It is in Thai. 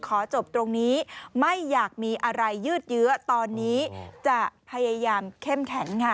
ขอจบตรงนี้ไม่อยากมีอะไรยืดเยื้อตอนนี้จะพยายามเข้มแข็งค่ะ